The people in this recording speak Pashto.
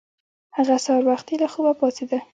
هغه سهار وختي له خوبه پاڅیده.